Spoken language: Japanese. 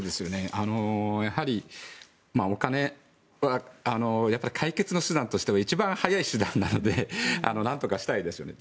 やはりお金は解決の手段としては一番早い手段なので何とかしたいですよね。